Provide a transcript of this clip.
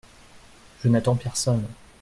Je n’attends personne.